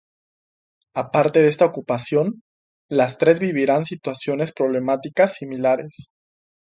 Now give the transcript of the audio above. Aparte de esta ocupación, las tres vivirán situaciones problemáticas similares.